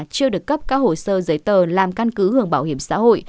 chưa được cấp các hồ sơ giấy tờ làm căn cứ hưởng bảo hiểm xã hội